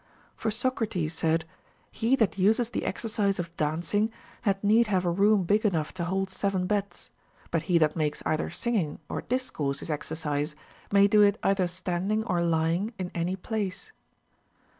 For Socrates said, he that uses the exercise of dancing had need have a room big enough to hold seven beds ; but he that makes either sing ing or discourse his exercise may do it either standing or lying in any place.